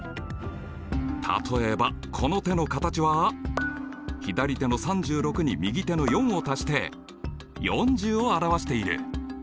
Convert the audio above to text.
例えばこの手の形は左手の３６に右手の４を足して４０を表している。